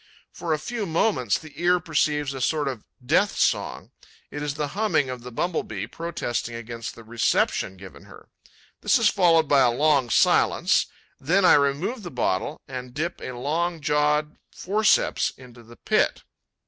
For a few moments, the ear perceives a sort of death song: it is the humming of the Bumble bee, protesting against the reception given her. This is followed by a long silence. Then I remove the bottle and dip a long jawed forceps into the pit.